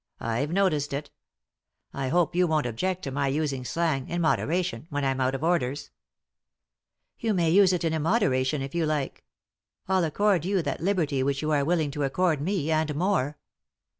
I've noticed it I hope you won't object to my using slang, in moderation, when I'm out of Orders ?" "You may use it in immoderation, if you like. I'll accord you that liberty which you are willing to accord me, and more."